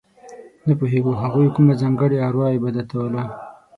نه پوهېږو هغوی کومه ځانګړې اروا عبادتوله.